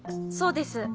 そうです。